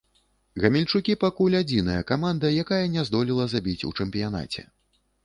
Гамельчукі пакуль адзіная каманда, якая не здолела забіць у чэмпіянаце.